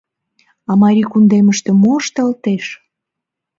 А марий кундемыште мо ышталтеш?